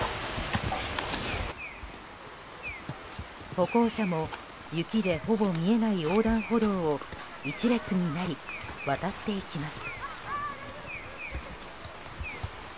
歩行者も雪でほぼ見えない横断歩道を一列になり渡っていきます。